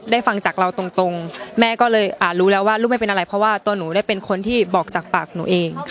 ดูละครอยู่